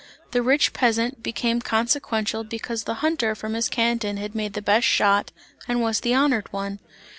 The rich peasant became consequential because the hunter from his canton had made the best shot and was the honoured one.